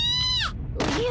おじゃ。